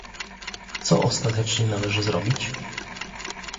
Co ostatecznie należy zrobić?